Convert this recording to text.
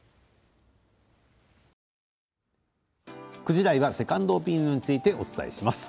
９時台はセカンドオピニオンについてお伝えします。